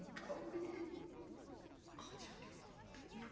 ５０両持ってんな。